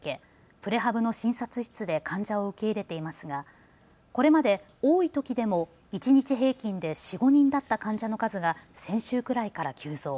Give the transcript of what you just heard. プレハブの診察室で患者を受け入れていますがこれまで多いときでも一日平均で４、５人だった患者の数が先週くらいから急増。